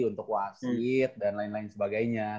untuk wasit dan lain lain sebagainya